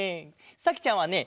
さきちゃんはね